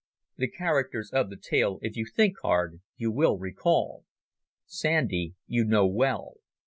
The characters of the tale, if you think hard, you will recall. Sandy you know well.